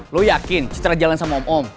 lo yakin setelah jalan sama om om